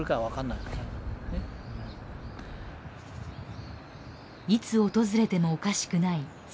いつ訪れてもおかしくない再発。